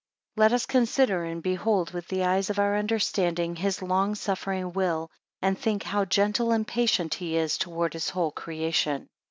4 Let us consider and behold with the eyes of our understanding his long suffering will; and think how gentle and patient he is towards his whole creation.